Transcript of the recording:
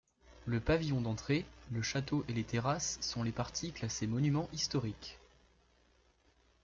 Le pavillon d'entrée, le château et les terrasses sont les parties classées monument historique.